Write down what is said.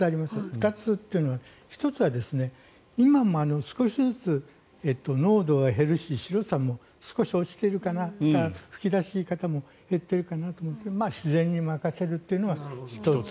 ２つというのは１つは今も少しずつ濃度は減るし白さも少し落ちてるかな噴き出し方も減っているかなと思いますが自然に任せるというのは１つ。